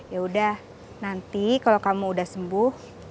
yaudah nanti kalau kamu udah sembuh